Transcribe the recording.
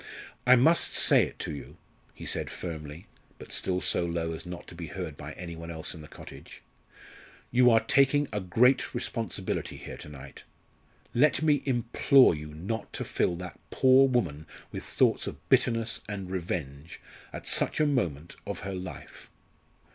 "I must say it to you," he said firmly, but still so low as not to be heard by any one else in the cottage. "You are taking a great responsibility here to night. Let me implore you not to fill that poor woman with thoughts of bitterness and revenge at such a moment of her life.